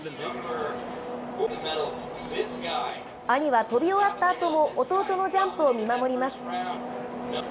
兄は飛び終わったあとも、弟のジャンプを見守ります。